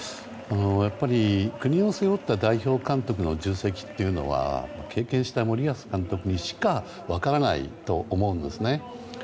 国を背負った代表監督の重責というのは経験した森保監督にしか分からないと思うんですね。